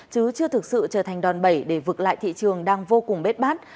chứ chưa thực sự trở thành đòn bẩy để vực lại thị trường đang vô cùng bế bát